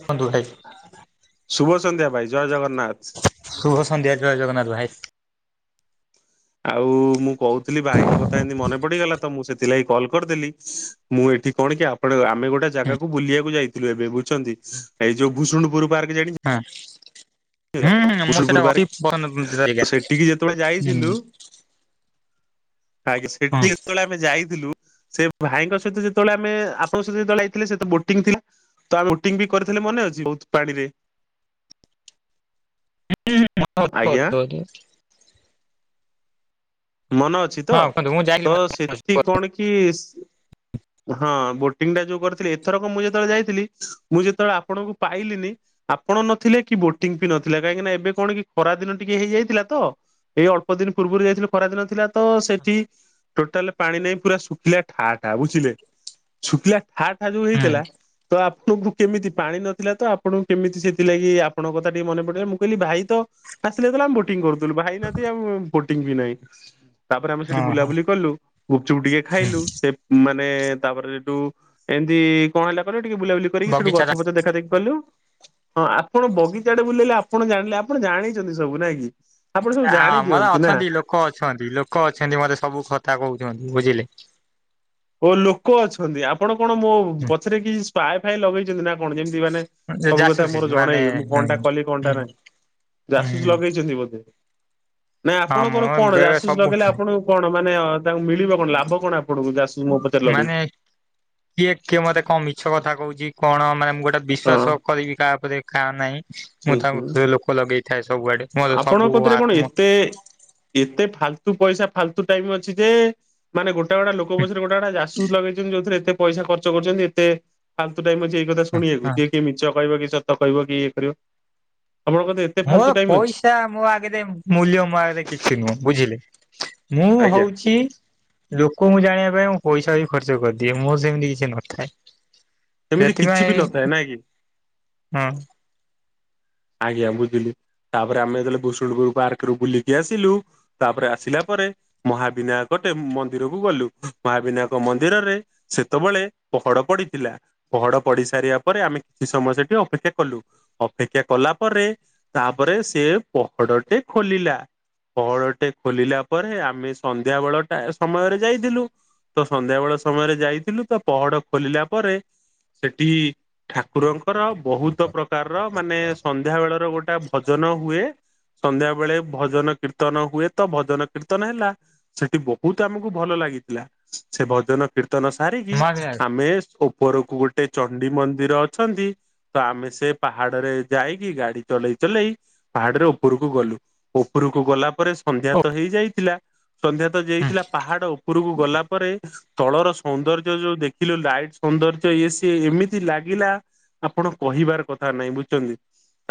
କୁହନ୍ତୁ ଭାଇ। ଶୁଭ ସନ୍ଧ୍ୟା ଭାଇ ଜୟ ଜଗନ୍ନାଥ। ଶୁଭ ସନ୍ଧ୍ୟା ଜୟ ଜଗନ୍ନାଥ ଭାଇ। ଆଉ ମୁଁ କହୁଥିଲି ଭାଇଙ୍କ କଥା ଏନ୍ତି ମନେ ପଡିଗଲା ତ ମୁଁ ସେଥିଲାଗି କଲ୍ କରିଦେଲି। ମୁଁ ଏଠି କଣ କି ଆପଣ ଆମେ ଗୋଟା ହୁଁ ଜାଗାକୁ ବୁଲିବାକୁ ଯାଇଥିଲୁ ଏବେ ବୁଝୁଛନ୍ତି ଏଇ ଯୋଉ ଭୁଷୁଣ୍ଡୁପୁର ପାର୍କ ଜାଣି ହଁ ହୁଁ ହୁଁ ମୁଁ ଭୂଷୁଣ୍ଡପୁର ସେଟା ପାର୍କ ଅତି ପସନ୍ଦରିକା ସେଠିକି ଯେତେବେଳେ [unintelligible] ଯାଇଥିଲୁ ହୁଁ ଆ ହଁ। ସେଠି ଯେତଳେ, [unintelligible] ଆମେ ଯାଇଥିଲୁ ସେ ଭାଇଙ୍କ ସହିତ ଯେତେବେଳେ ଆମେ ଆପଣଙ୍କ ସହିତ ଯେତେବେଳେ ଯାଇଥିଲେ ସେ ତ ବୋଟିଂ ଥିଲା। ତ ଆମେ ବୋଟିଙ୍ଗ ବି କରିଥିଲେ ମନେ ଅଛି ବହୁତ ପାଣି ରେ। ହ ଆଜ୍ଞା ହ [unintelligible] ମନେ ଅଛି ତ ହଁ କୁହନ୍ତୁ ମୁଁ ତ ଯାଇଥିଲି ସେଠି କଣ କି ହଁ ବୋଟିଂଟା ଯୋଉ କରିଥିଲି ଏଥରକ ମୁଁ ଯେତେବେଳେ ଯାଇଥିଲି ମୁଁ ଯେତେବେଳେ ଆପଣଙ୍କୁ ପାଇଲିନି ଆପଣ ନଥିଲେ କି ବୋଟିଂବି ନଥିଲା କାହିଁକିନା ଏବେ କଣ କି ଖରା ଦିନ ଟିକେ ହେଇଯାଇଥିଲା ତ, ଏଇ ଅଳ୍ପ ଦିନ ପୂର୍ବରୁ ଯାଇଥିଲୁ, ଖରାଦିନ ଥିଲା ତ ସେଠି ଟୋଟାଲ ପାଣି ନାଇ ପୁରା ଶୁଖିଲା ଠା ଠା ବୁଝିଲେ। ଶୁଖିଲା ଠା ଠା ଯୋଉ ହେଇଥିଲା, ତ ଆପଣଙ୍କୁ କେମିତି ପାଣି ନଥିଲା ତ ଆପଣଙ୍କୁ କେମିତି ସେଥିଲାଗି ଆପଣଙ୍କ କଥା ଟିକେ ମନେ ପଡିଲା ମୁଁ କହିଲି ଭାଇ ତ, ଆସିନଥିଲା ଆମେ ବୋଟିଂ କରୁଥିଲୁ ଭାଇନାହାନ୍ତି ଆମ ବୋଟିଂ ବି ନାହିଁ। ତାପରେ ଆମେ ସେଠି ବୁଲାବୁଲି କଲୁ ଗୁପଚୁପ ଟିକେ ଖାଇଲୁ ସେ, ମାନେ ତାପରେ ସେଠୁ ଏମତି କଣ ହେଲା କହିଲେ ଟିକେ ବୁଲାବୁଲି କରିକି ସେଠୁ ବଗିଚା ଗଛ ପଛ ଦେଖା ଦେଖି, କଲୁ ହଁ ଆପଣ ବଗିଚାରେ ବୁଲେଇଲେ ଆପଣ ଜାଣିଲେ ଆପଣ ଜାଣିଛନ୍ତି ସବୁ ନାଇଁ କି। ଆପଣ ସବୁ ଆ ଜାଣି ଆମର ଦିଅନ୍ତି ନା। ଅଛନ୍ତି ଲୋକ ଅଛନ୍ତି ଲୋକ ଅଛନ୍ତି ମତେ ସବୁ କଥା କହୁଛନ୍ତି ବୁଝିଲେ। ଓ ଲୋକ ଅଛନ୍ତି ଆପଣ କଣ ମୋ ପଛରେ କିଛି ସ୍ପାଏ ଫାଏ ଲଗେଇଛନ୍ତି ନା, କଣ ଯେମିତି ମାନେ ସବୁ କଥା ଜାସୁସି ମୋର ମାନେ ଜଣେଇବି ମୁଁ କଣଟା କଲି କଣଟା ହୁଁ ନାହିଁ। ହୁଁ ଯାସୁସ ଲଗେଇଛନ୍ତି ବୋଧେ ନାଇଁ ହଁ ଆପଣଙ୍କର ମୁଁ କଣ ବେଳେ ଯାସୁସ ସବୁ ଲଗେଇଲେ ଆପଣ, କଣ ମାନେ ତାଙ୍କୁ ମିଳିବ କଣ ଲାଭ କଣ ଆପଣଙ୍କୁ ଯାସୁସ ମୋ ପଛରେ ଲଗେଇକି। ମାନେ କିଏ କିଏ ମତେ କଣ ମିଛ କଥା କହୁଛି କଣ ମାନେ ଗୋଟେ, ହଁ ବିଶ୍ଵାସ କରିବି କାହା ଉପରେ ଖାଆ ନାହିଁ ମୁଁ ହୁଁ ହୁଁ। ତାଙ୍କ ଲୋକ ଲଗେଇଥାଏ ସବୁଆଡେ। ମୋର ଆପଣଙ୍କ ସବୁ କଥିରେ କଣ ଆତ୍ମ ଏତେ ଏତେ ଫାଲତୁ ପଇସା ଫାଲତୁ ଟାଇମ ଅଛି ଯେ, ମାନେ ଗୋଟେ ଗୋଟେ ଲୋକ ପଛରେ ଗୋଟେ ଯାସୁସ ଲଗେଇଛନ୍ତି ଯଉଥିରେ ଏତେ ପଇସା ଖର୍ଚ୍ଚ କରିଛନ୍ତି ଏତେ, ଫାଲତୁ ଟାଇମ ଅଛି ଏଇ କଥା ଶୁଣିବାକୁ ହଁ ଯିଏ କିଏ ମିଛ କହିବ କି ସତ କହିବ କି ଇଏ କରିଵ ଆପଣ କଣ, ମୋର ପଇସା ମୋ ଆଗରେ ମୂଲ୍ୟ ମୋ ଆଗରେ କିଛି ନୁହଁ ବୁଝିଲେ। ମୁଁ ଆଜ୍ଞା ହୋଉଛି ଲୋକଙ୍କୁ ଜାଣିବା ପାଇଁ ମୁଁ ପଇସା ବି ଖର୍ଚ୍ଚ କରିଦିଏ ମୋର ସେମିତି କିଛି ନଥାଏ ଏମିତି କିଛି ବି ନଥାଏ ସେଥିପାଇଁ ନାଇଁ କି? ହଁ ଆଜ୍ଞା ବୁଝିଲି ତାପରେ ଆମେ ଯେତେବେଳେ ଭୁଷୁଣପୁର ପାର୍କ ରୁ ବୁଲିକି ଆସିଲୁ ତାପରେ ଆସିଲା ପରେ ମହାବିନାୟକ ଟେ ମନ୍ଦିରକୁ ଗଲୁ ମହାବିନାୟକ ମନ୍ଦିରରେ ସେତେବେଳେ ପହଡ ପଡିଥିଲା ପହଡ ପଢି ସାରିବା ପରେ ଆମେ କିଛି ସମୟ ସେଠି ଅପେକ୍ଷା କଲୁ ଅପେକ୍ଷା କଲା ପରେ ତାପରେ ସେ ପହଡଟେ ଖୋଲିଲା ପହଡଟେ ଖୋଲିଲା ପରେ ଆମେ ସନ୍ଧ୍ୟା ବେଳ ଟା ସମୟରେ ଯାଇଥିଲୁ ତ ସନ୍ଧ୍ୟା ବେଳ ସମୟରେ ଯାଇଥିଲୁ ତ ପହଡ ଖୋଲିଲା ପରେ ସେଠି ଠାକୁରଙ୍କର ବହୁତ ପ୍ରକାରର ମାନେ ସନ୍ଧ୍ୟା ବେଳ ର ଗୋଟେ ଭଜନ ହୁଏ ସନ୍ଧ୍ୟା ବେଳେ ଭଜନ କୀର୍ତ୍ତନ ହୁଏ ତ ଭଜନ କୀର୍ତ୍ତନ ହେଲା ସେଠି ବହୁତ ଆମକୁ ଭଲ ଲାଗିଥିଲା ସେ ଭଜନ କୀର୍ତନ କୀର୍ତନ ସାରିକି ହଁ ଆମେ ଉପରକୁ ଗୋଟେ ଗୋଟେ ଚଣ୍ଡି ମନ୍ଦିର ଅଛନ୍ତି ତ ଆମେ ସେ ପାହାଡରେ ଯାଇକି ଗାଡି ଚଲେଇ ଚଲେଇ ପାହାଡରେ ଉପରକୁ ଗଲୁ ଉପରକୁ ଗଲା ପରେ ସନ୍ଧ୍ୟା ତ ହେଇଯାଇଥିଲା ସନ୍ଧ୍ୟା ତ ଯାଇଥିଲା ପାହାଡ ଉପରକୁ ଗଲା ପରେ ତଳର ସୌନ୍ଦର୍ଯ୍ୟ ଯୋଉ ଦେଖିଲୁ ଲାଇଟ ସୌନ୍ଦର୍ଯ୍ୟ ଇଏ ସିଏ ଏମିତି ଲାଗିଲା ଆପଣ କହିବାର କଥା ନାଇଁ ବୁଝୁଛନ୍ତି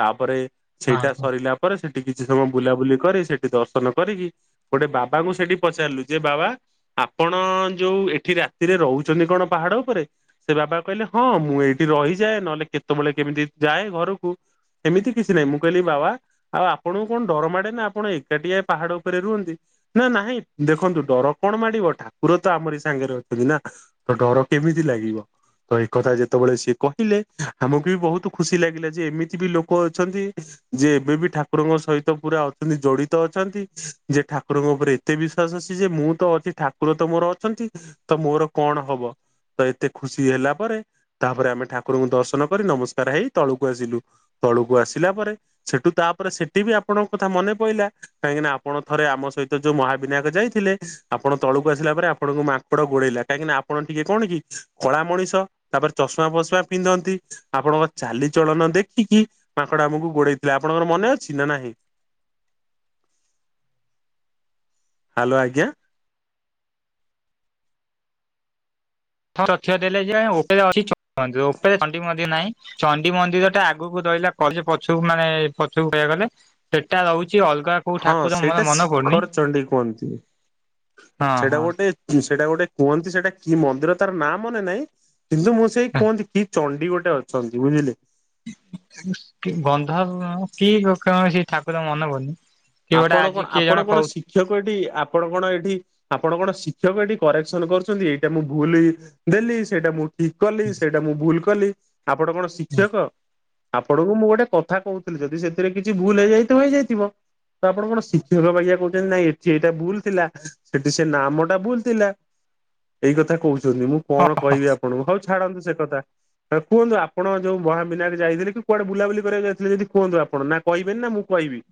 ତାପରେ ହଁ। ସେଇଟା ସରିଲା ପରେ ସେଠି କିଛି ସମୟ ବୁଲାବୁଲି କରି ସେଠି ଦର୍ଶନ କରିକି ଗୋଟେ ବାବାଙ୍କୁ ସେଠି ପଚାରିଲୁ ଯେ ବାବା ଆପଣ ଯୋଉ ଏଠି ରାତିରେ ରହୁଛନ୍ତି କଣ ପାହାଡ ଉପରେ? ସେ ବାବା କହିଲେ ହଁ ମୁଁ ଏଇଠି ରହିଯାଏ ନହେଲେ କେତେବେଳେ କେମିତି ଯାଏ ଘରକୁ। ସେମିତି କିଛି ନାହିଁ ମୁଁ କହିଲି ବାବା ଆଉ ଆପଣଙ୍କୁ କଣ ଡରମାଡ଼େ ନା ଆପଣ ଏକାଠିଆ ପାହାଡ ଉପରେ ରୁହନ୍ତି। ନା ନାହିଁ ଦେଖନ୍ତୁ ଡର କଣ ମାଡିବ ଠାକୁର ତ ଆମର ସାଙ୍ଗରେ ଅଛନ୍ତି ନା। ତ ଡର କେମିତି ଲାଗିବ। ତ ଏଇ କଥା ଯେତେବେଳେ ସିଏ କହିଲେ ଆମକୁ ବି ବହୁତ ଖୁସି ଲାଗିଲା ଯେ ଏମିତି ତି ବି ଲୋକ ଅଛନ୍ତି। ଯିଏ ଏବେ ବି ଠାକୁରଙ୍କ ସହିତ ପୁରା ଅଛନ୍ତି ଜଡିତ ଅଛନ୍ତି ଯେ ଠାକୁରଙ୍କ ଉପରେ ଏତେ ବିଶ୍ଵାସ ଅଛି ଯେ ମୁଁ ତ ଅଛି ଠାକୁର ତ ମୋର ଅଛନ୍ତି ତ ମୋର କଣ ହବ। ତ ଏତେ ଖୁସି ହେଲା ପରେ ତାପରେ ଆମେ ଠାକୁରଙ୍କୁ ଦର୍ଶନ କରି ନମସ୍କାର ହେଇ ତଳକୁ ଆସିଲୁ। ତଳକୁ ଆସିଲା ପରେ ସେଠୁ ତାପରେ ସେଠି ବି ଆପଣଙ୍କ କଥା ମନେ ପଇଲା। କାହିଁକିନା ଆପଣ ଥରେ ଆମ ସହିତ ଯୋଉ ମହାବିନାୟକ ଯାଇଥିଲେ। ଆପଣ ତଳକୁ ଆସିଲା ପରେ ଆପଣଙ୍କୁ ମାଙ୍କଡ ଗୋଡେଇଲା କାହିଁକି ନା ଆପଣ ଟିକେ କଣ କି କଳା ମଣିଷ। ତାପରେ ଚଷମା ଫଷମା ପିନ୍ଧନ୍ତି ଆପଣଙ୍କ ଚାଲି ଚଳନ ଦେ ଦେଖିକି ମାଙ୍କଡ ଆମକୁ ଗୋଡେଇଥିଲା ଆପଣଙ୍କର ମନେ ଅଛି ନା ନାହିଁ? ହ୍ୟାଲୋ ଆଜ୍ଞା। [unintelligible] ଚଣ୍ଡି ମନ୍ଦିର ଟା ଆଗକୁ ରହିଲା କ ପଛୁକୁ ମାନେ ପଛୁକୁ କହିବାକୁ ଗଲେ। ସେଟା ରହୁଛି ଅଲଗା। କୋଉ ହଁ ଠାକୁର ମୋର ସେଇଟା ମନେ ପଡୁନି ଶିଖର ଚଣ୍ଡୀ କୁହନ୍ତି ହଁ ସେଇଟା ହଁ ଗୋଟେ ସେଇଟା ଗୋଟେ କୁହନ୍ତି ସେଇଟା କି ମନ୍ଦିର ତାର ନାଁ ମନେ ନାଇଁ। କିନ୍ତୁ ମୁଁ ସେଇ କୁହନ୍ତି କି ଚଣ୍ଡି ଗୋଟେ ଅଛନ୍ତି ବୁଝିଲେ। ଗନ୍ଧ କି କଣ ସେ ଠାକୁର ମନେପଡୁନି। କିଏ ଗୋଟେ ଆପଣ ଆଜି କଣ କିଏ ଆପଣ ଜଣେ କଣ କହୁ। ଶିକ୍ଷକ ଏଠି ଆପଣ କଣ ଏଠି ଆପଣ କଣ ଶିକ୍ଷକ ଏଠି କରେକ୍ସନ କରୁଛନ୍ତି। ଏଇଟା ମୁଁ ଭୁଲ୍ ଦେଲି ସେଇଟା ମୁଁ ଠିକ୍ କଲି ସେଇଟା ମୁଁ ଭୁଲ୍ କଲି ଆପଣ କଣ ଶିକ୍ଷକ? ଆପଣଙ୍କୁ ମୁଁ ଗୋଟେ କଥା କହୁଥିଲି ଯଦି ସେଥିରେ କିଛି ଭୁଲ୍ ହେଇଯାଇଥିବ ହେଇଯାଇଥିବ। ତ ଆପଣ କଣ ଶିକ୍ଷକ ପାଇଆ କହୁଛନ୍ତି ନାଇଁ ଏଠି ଏଇଟା ଭୁଲ ଥିଲା ସେଠି ସେ ନାମଟା ଭୁଲ ଥିଲା। ଏଇ କଥା କହୁଛନ୍ତି ମୁଁ କଣ କହିବି ଆପଣଙ୍କୁ ହୋଉ ଛାଡନ୍ତୁ ସେ କଥା। ହଁ କୁହନ୍ତୁ ଆପଣ ଯୋଉ ମହାବିନାକ ଯାଇଥିଲେ କି କୁଆଡେ ବୁଲାବୁଲି କରିବାକୁ ଯାଇଥିଲେ ଯଦି କୁହନ୍ତୁ ଆପଣ କହିବେ ନି ନା ମୁଁ କହିବି।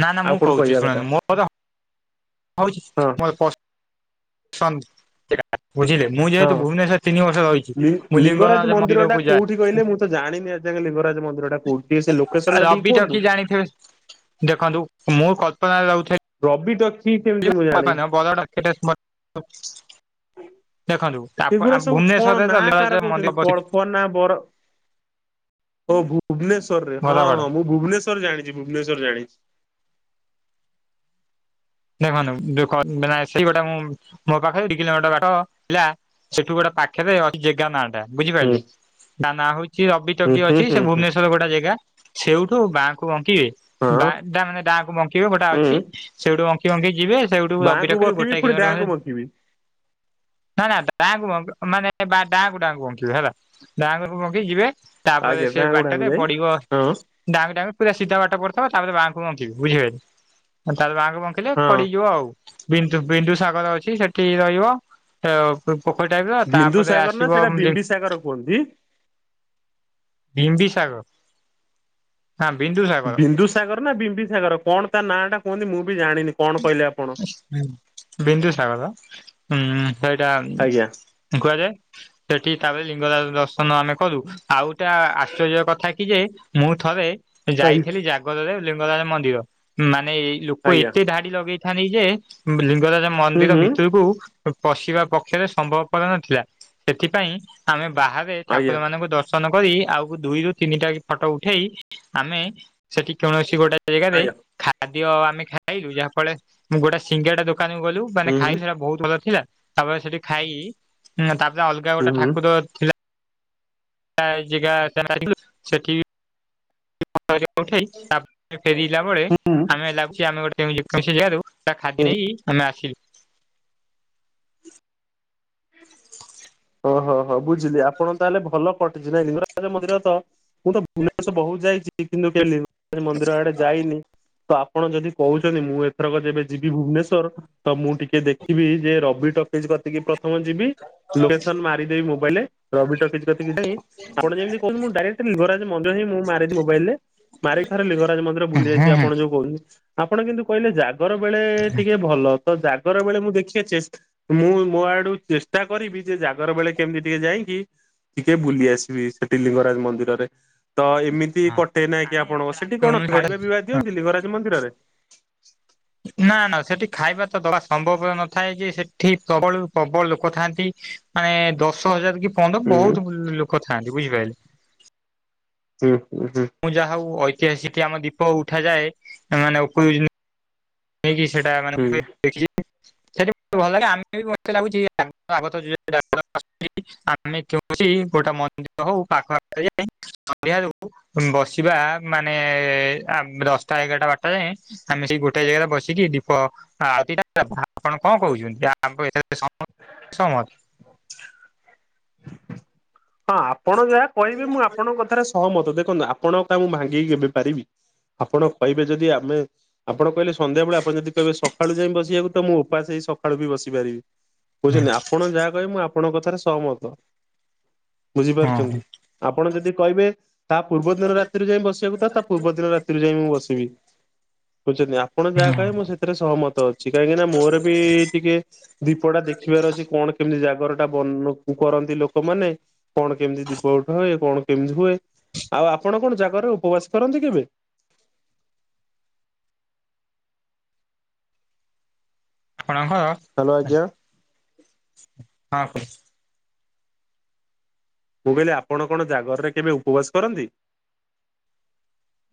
ନା ନା ଆଉ ମୁଁ କଣ କହୁଛି କହିବା କଥା ଶୁଣନ୍ତୁ ମୋର ହୋଉଚି ହଁ ସନ୍ ସେଟା ବୁଝିଲେ। ମୁଁ ଯେହେତୁ ହଁ। ଭୁବନେଶ୍ୱର ତିନି ବର୍ଷ ରହିଛି। ମୁଁ ଲିଙ୍ଗରାଜ ମନ୍ଦିରକୁ ଯାଏ। ଯ ଲିଙ୍ଗରାଜ ମନ୍ଦିର ଟା କୋଉଠି ସେ ଲୋକେସନ୍ ଟା ଟିକେ ରବି ଟକି କୁହନ୍ତୁ? ଜାଣିଥିବେ ଦେଖନ୍ତୁ ମୁଁ କଳ୍ପନାରେ ରହୁଥିଲି। ରବି ଟସ୍‌ [unintelligible] ଦେଖନ୍ତୁ। ଆ ଭୁବନେଶ୍ଵର ରେ ତ ଏଗୁରା ଲିଙ୍ଗରାଜ ମନ୍ଦିର ପ୍ରସି କ ନା ବର। ଓ ଭୁବନେଶ୍ଵର ରେ ହଁ ଘରଗଡ। ହଁ ମୁଁ ଭୁବନେଶ୍ଵର ଜାଣିଛି ଭୁବନେଶ୍ଵର ଜାଣିଚି। [unintelligible] ସେଠୁ ଗୋଟେ ପାଖରେ ଅଛି ଜେଗା ନାଁ ଟା। ବୁଝିପାରିଲୁ ହୁଁ ତା ନା ହଉଛି ରବି ହୁଁ ତଗି ହୁଁ ଅଛି ସେ ହୁଁ ହୁଁ ଭୁବନେଶ୍ଵର ଗୋଟେ ଜାଗା ସେଉଠୁ ବା ବଙ୍କିବେ ହଁ ବା ମାନେ ଡାଆଁ କୁ ବଙ୍କିବେ ଗୋଟେ ଅଛି। ଉଁ ସେଇଠୁ ଙ୍କେଇ ଯିବେ ସେଇଠୁ ରବି ବାଁକୁ ଡାକିବେ ବକିବି ଗୋଟାଏ ପୁଣି କିଲୋମିଟର ଡାହାକୁ ଖାଲି ବଙ୍କିବି [unintelligible] ନା ବା ଡାକୁ ଡାଙ୍କୁ ବଙ୍କିବେ ହେଲା ଡାଙ୍ଗ ବଙ୍କି ଯିବେ। ତାପରେ ଆଜ୍ଞା ସେ ଡାହାକୁ ବାଟରେ ଡାହାକୁ ଯାଇ ପଡିବ ହଁ ଡାଙ୍କୁ, ଡାଙ୍କୁ ପୁରା ସିଧା ବାଟ ପଡିଥିବ। ତାପରେ ବାଁଙ୍କୁ ବଙ୍କି ବେ ବୁଝିପାରିଲେ, ତାପରେ ବାଙ୍କୁ ବଙ୍କିଲେ ହଁ ପଡିଯିବ ଆଉ ବିନ୍ଦୁ ବିନ୍ଦୁ ସାଗର ଅଛି ସେଠି ରହିବ। ସେ ପୋଖରୀ ଟାଇପ ର ତାପରେ ବିନ୍ଦୁସାଗର ନା ଆସିବ ସେଇଟା ବିମ୍ବିସାଗର କୁହନ୍ତି। ବିମ୍ବି ସାଗର ନାଁ ବିନ୍ଦୁ ସାଗର। ବିନ୍ଦୁ ସାଗର ନା ବିମ୍ବି ସାଗର କଣ ତା ନାଁ ଟା କୁହନ୍ତି ମୁଁ ବି ଜାଣିନି, କଣ କହିଲେ ଆପଣ? ବିନ୍ଦୁସାଗର ବା, ହୁଁ ସେଇଟା ଆଜ୍ଞା କୁହାଯାଏ। ସେଠି ତାପରେ ଲିଙ୍ଗରାଜ ଦର୍ଶନ ଆମେ କରୁ। ଆଉଟା ଆଶ୍ଚର୍ଯ୍ୟ କଥା କି ଯେ ମୁଁ ଥରେ ଆଜ୍ଞା ଯାଇଥିଲି ଜାଗରରେ ଲିଙ୍ଗରାଜ ମନ୍ଦିର ମାନେ ଏଇ ଲୋକ ଏ ଆଜ୍ଞା ଧାଡି ଲଗେଇଥାନ୍ତି ଯେ, ଲିଙ୍ଗରାଜ ହୁଁ ମନ୍ଦିର ହୁଁ ଭିତରକୁ ପଶିବା ପକ୍ଷରେ ସମ୍ଭବ କର ନଥିଲା। ସେଥିପାଇଁ ଆମେ ବାହାରେ ଠାକୁର ଆଜ୍ଞା ମାନଙ୍କୁ ଦ ଦର୍ଶନ କରି ଆଉକୁ ଦୁଇରୁ ତିନିଟା ଫଟୋ ଉଠେଇ ଆମେ ସେଠି କୌଣସି ଗୋଟେ ଗୋଟେ ଜାଗାରେ ଆଜ୍ଞା ଖାଦ୍ୟ ଆମେ ଖାଇଲୁ। ଯାହା ଫଳରେ ଗୋଟେ ସିଙ୍ଗେଡା ଦୋକାନୁ ଗଲୁ। ମାନେ ହୁଁ ଖାଇ ହୁଁ ସେଇଟା ବହୁତ ଭଲ ଥିଲା। ତାପରେ ସେଠି ଖାଇ ତାପରେ ଅଲଗା ଗୋଟେ ହୁଁ ଠାକୁର ଥିଲା। ଥିଲା ଜାଗା [unintelligible] ଯାଇଥିଲୁ। ସେଠି ଫଟୋ ହରିକା ଉଠେଇ ତାପରେ ଫେରିଲା ବେଳେ ହୁଁ ଆମେ ଲାଗୁଛି ଆମେ ଗୋଟେ [unintelligible] ତା ହୁଁ ଖାଦ୍ୟ ନେଇକି ଆମେ ଆସିଲୁ। ଓହୋ ହୋ ବୁଝିଲି ଆପଣ ତାହେଲେ ଭଲ କଟିଛି ନାଇଁ ଲିଙ୍ଗରାଜ ମନ୍ଦିର ତ ମୁଁ ତ ଭୁବନେଶ୍ୱର ବହୁତ ଯାଇଛି। କିନ୍ତୁ କ [unintelligible] ସେ ମନ୍ଦିର ଆଡେ ଯାଇନି ତ ଆପଣ ଯଦି କହୁଛନ୍ତି ମୁଁ ଏଥରକ ଯେବେ ଯିବି ଭୁବନେଶ୍ଵର ତ ମୁଁ ଟିକେ ଦେଖିବି ଯେ ରବି ଟକିସ୍ ସେଠି ପ୍ରଥମ ଯିବି। ଲୋକେସନ ମାରିଦେବି ମୋବାଇଲରେ ରବି ଟକିସ୍‌ କତିକି ଯାଇ ଆପଣ ଯେମିତି କ [unintelligible] ମୁଁ ଡାଇରେକ୍ଟ ଲିଙ୍ଗରାଜ ଯାଇ ମୁଁ ମାରିବି ମୋବାଇଲ ରେ ମାରିକ ଥରେ ଲିଙ୍ଗରାଜ ମନ୍ଦିର ହଁ ବୁଲି ଆସିବି ଆପଣ ହଁ ଯୋଉ କହୁଛନ୍ତି। ଆପଣ କିନ୍ତୁ କହିଲେ ଜାଗର ବେଳେ ଟିକେ ଭଲ। ତ ଜାଗର ବେଳେ ମୁଁ ଦେଖିଆ ଚେଷ୍ଟା ମୁଁ ମୋ ଆଡୁ ଚେଷ୍ଟା କରିବି ଯେ ଜାଗର ବେଳେ କେମିତି ଟିକେ ଯାଇକି ଟିକେ ବୁଲି ଆସିବି ସେଠି ଲିଙ୍ଗରାଜ ମନ୍ଦିରରେ। ତ ଏମିତି କଟେ ନାଇଁ କି, ଆମେ ଆପଣ ସେଠି କଣ କୌଣସି ଗୋଟେ ଖାଇବା ପିଇବା ଦିଅନ୍ତି ଲିଙ୍ଗରାଜ ମନ୍ଦିରରେ? ନା ନା ସେଠି ଖାଇବା ତ ଦବା ସମ୍ଭବ ନଥାଏ ଯେ, ସେଠି ପ୍ରବଳରୁ ପ୍ରବଳ ଲୋକ ଥାଆନ୍ତି। ମାନେ ଦଶ ହଜାର କି ପନ୍ଦର ହୁଁ ବହୁତ ଲୋକ ଥାଆନ୍ତି ବୁଝିପାରିଲେ। ହୁଁ, ହୁଁ, ହୁଁ। ମୁଁ ଯାହା ହଉ ଐତିହାସିକ ଆମ ଦୀପ ଉଠାଯାଏ ମାନେ ଉପରକୁ ଯେ ନେଇକି ସେଟା ହୁଁ। ମାନେ ଦେଖି ସେଇଠି ଭଲ ଲାଗେ ଆମେ ବି ମତେ ଲାଗୁଛି [unintelligible] ଆମେ -ଯେଉଁଠି -ଗୋଟେ ମନ୍ଦିର ହଉ ପାଖ ପାଖ ଯାଇ [unintelligible] ବସିବା ମାନେ ଦଶଟା ଏଗାରଟା ବାରଟା ଯାଏଁ ଆମେ ସେଇ ଗୋଟେ ଜାଗାରେ ବସିକି ଦୀପ ଆଉ- ଆପଣ -କଣ କହୁଛନ୍ତି? [unintelligible] ସହମତ। ହଁ ଆପଣ ଯାହା କହିବେ ମୁଁ ଆପଣଙ୍କ କଥାରେ ସହମତ। ଦେଖନ୍ତୁ ଆପଣ କାହା ମୁଁ ଭାଙ୍ଗିକି କେବେ ପାରିବି। ଆପଣ କହିବେ ଯଦି ଆମେ ଆପଣ କହିଲେ ସନ୍ଧବେଳେ ଆପଣଦିହେ ସଳ ଯାଇ ବସିବାକୁ ତ ମୁଁ ଉପାସ ହେଇ ସକାଳୁ ବି ବସି ପାରିବି। କୋଉଚନ୍ତି ଆପଣ ଯାହା କହିବେ ମୁଁ ଆପଣଙ୍କ କଥାରେ ସହମତ। ବୁଝିପାରୁଛନ୍ତି ହଁ ଆପଣ ଯଦି କହିବେ ତାହା ପୂର୍ବ ଦିନ ରାତିରୁ ଯାଇ ବସିବାକୁଥାତ ପୂର୍ବଦିନ ରାତିରୁ ଯାଇ ମୁଁ ବସିବି। ବୁଝଛନ୍ତି ଆପଣ ଯାହା କହେ ମୁଁ ସେଥିରେ ସହମତ ଅଛି କାହିଁକି ନା ମୋର ବି ଟିକେ ଦୀପ ଟା ଦେଖିବାର ଅଛି କଣ କେମିତି ଜାଗର ଟା ବନ୍ କରନ୍ତି ଲୋକମାନେ। ଦିବ ଉଠ ହୁଏ କଣ କେମିତି ହୁଏ ଆଉ ଆପଣ କଣ ଜାଗାରେ ଉପବାସ କରନ୍ତି କେବେ? ଆପଣଙ୍କ ହାଲୋ, ଆଜ୍ଞା। ହଁ। ମୁଁ କଇଲି ଆପଣ କଣ ଜାଗରରେ କେବେ ଉପବାସ କରନ୍ତି?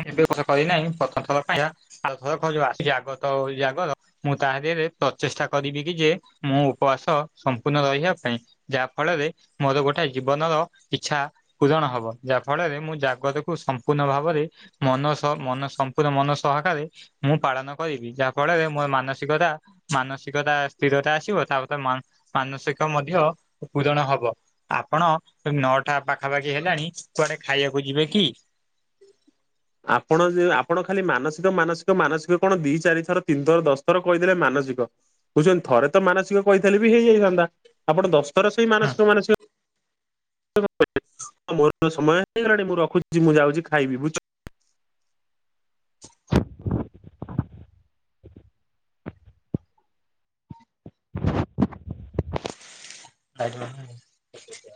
ହୁଁ ଏବେ କରିନାହିଁ ପ୍ରଥମଥର ପାଇଁ ଆଉ ଥର ଖ ଆ ଆଗତ ଆଗ ମୁଁ ତା ଦେହରେ ପ୍ରଚେଷ୍ଟା କରିବି କି ଯେ ମୋ ଉପବାସ ସମ୍ପୂର୍ଣ୍ଣ ରହିବା ପାଇଁ ଯାହା ଫଳରେ ମୋର ଗୋଟେ ଜୀବନର ଇଚ୍ଛା ପୂରଣ ହବ ଯାହା ଫଳରେ ମୁଁ ଜାଗତକୁ ସମ୍ପୂର୍ଣ୍ଣ ଭାବରେ ମନ ସହ ମନ ସମ୍ପୂର୍ଣ୍ଣ ମନ ସହକାରେ। ମୁଁ ପାଳନ କରିବି ଯାହା ଫଳରେ ମୋର ମାନସିକତା ମାନସିକତା ସ୍ଥିରତା ଆସିବ ତାରେ ମାନସିକ ମଧ୍ୟ ପୂରଣ ହବ। ଆପଣ ତ ନଅଟା ପାଖାପାଖି ହେଲାଣି କୁଆଡେ ଖାଇଆକୁ ଯିବେ କି? ଆପଣ ଜେଉ ଆପଣ ଖାଲି ମାନସି ମାନସିକ ମାନସିକ କଣ ଦି ଚାରି ଥର ତିନି ଥର ଦଶଥର କହିଦେଲେ ମାନସିକ ବୁଝୁଛନ୍ତି ଥରେ ତ ମାନସିକ କହିଥିଲେ ବି ହେଇଯାଇଥାନ୍ତା ଆପଣ ଦଶଥର ସେଇ ମାନସିକ ମାନସିକ। [inaudible] ମୋର ସମୟ ହେଇଗଲାଣି ମୁଁ ରଖୁଛି ମୁଁ ଯାଉଛି ଖାଇବି ବୁଝ ଆଜ। [unintelligible]